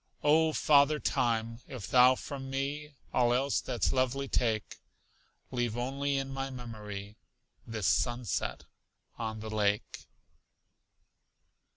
Oh, Father Time, if thou from me All else that's lovely take, Leave only in my memory This sunset on the lake.